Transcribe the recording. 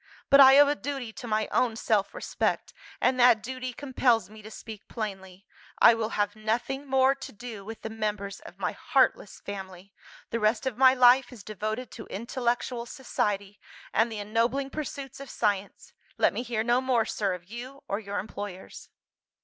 But I owe a duty to my own self respect; and that duty compels me to speak plainly. I will have nothing more to do with the members of my heartless family. The rest of my life is devoted to intellectual society, and the ennobling pursuits of science. Let me hear no more, sir, of you or your employers.